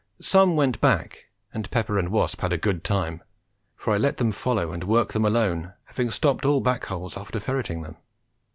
Some went back, and Pepper and Wasp had a good time, for I let them follow and work them alone, having stopped all back holes after ferreting them.